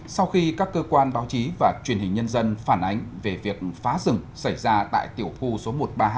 sau khi các cơ quan báo chí và truyền hình nhân dân phản ánh về việc phá rừng xảy ra tại tiểu khu số một trăm ba mươi hai